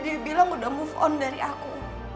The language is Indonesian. dia bilang udah move on dari aku